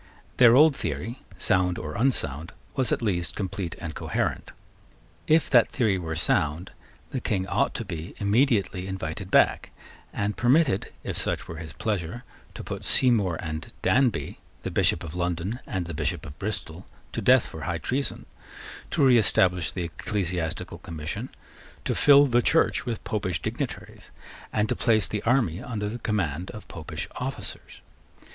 Their old theory, sound or unsound, was at least complete and coherent. If that theory were sound, the King ought to be immediately invited back, and permitted, if such were his pleasure, to put Seymour and Danby, the Bishop of London and the Bishop of Bristol, to death for high treason, to reestablish the Ecclesiastical Commission, to fill the Church with Popish dignitaries, and to place the army under the command of Popish officers.